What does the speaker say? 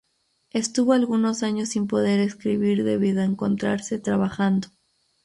Estuvo algunos años sin poder escribir debido a encontrarse trabajando.